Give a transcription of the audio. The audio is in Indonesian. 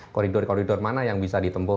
koridor koridor mana yang bisa ditempuh